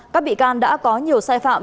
các bị can đã có nhiều sai phạm